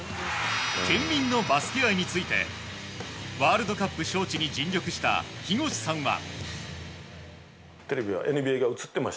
県民のバスケ愛についてワールドカップ招致に尽力した、日越さんは。